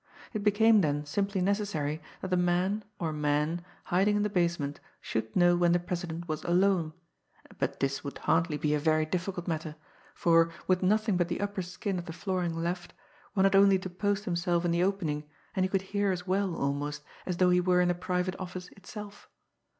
It became, then, simply necessary that the man, or men, hiding in the basement should know when the president was alone; but this would hardly be a very difficult matter, for, with nothing but the upper skin of the flooring left, one had only to post himself in the opening and he could hear as well, almost, as though he were in the private office itself.